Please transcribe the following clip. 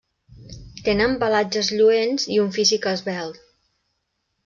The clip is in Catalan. Tenen pelatges lluents i un físic esvelt.